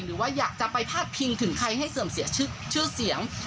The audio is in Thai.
หรือว่าอยากจะไปพาดพิงถึงใครให้เสื่อมเสียชื่อเสียง